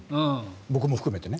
僕も含めてね。